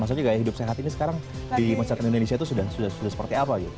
maksudnya gaya hidup sehat ini sekarang di masyarakat indonesia itu sudah seperti apa gitu